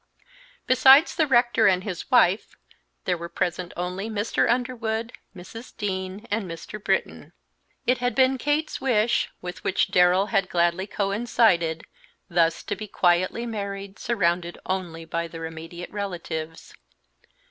Besides the rector and his wife, there were present only Mr. Underwood, Mrs. Dean, and Mr. Britton. It had been Kate's wish, with which Darrell had gladly coincided, thus to be quietly married, surrounded only by their immediate relatives.